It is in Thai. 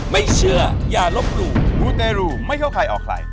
ไม่เชื่ออย่าลบหลู่มูเตรูไม่เข้าใครออกใคร